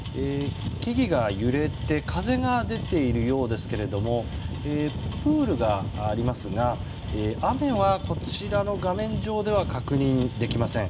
木々が揺れて風が出ているようですけれどもプールがありますが雨はこちらの画面上では確認できません。